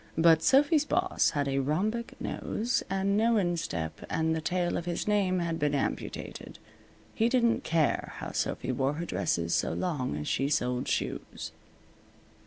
But Sophy's boss had a rhombic nose, and no instep, and the tail of his name had been amputated. He didn't care how Sophy wore her dresses so long as she sold shoes.